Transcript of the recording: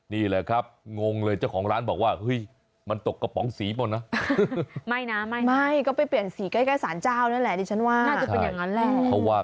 นี่แหละครับงงเลยเจ้าของร้านบอกว่า